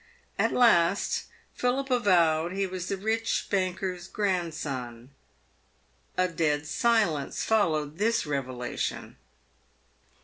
At last Philip avowed he was the rich banker's grandson. A dead silence followed this revelation.